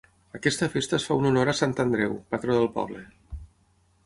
Aquesta festa es fa un honor a Sant Andreu, patró del poble.